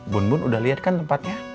bun bun udah lihat kan tempatnya